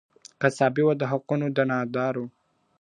قصابي وه د حقونو د نادارو !.